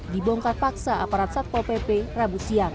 dibongkar paksa aparat satpol pp rabu siang